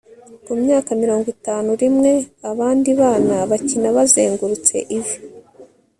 Ku myaka mirongo itanu rimwe abandi bana bakina bazengurutse ivi